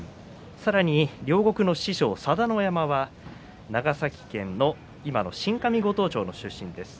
さらに両国の師匠、佐田の山は長崎県の今の新上五島町の出身です。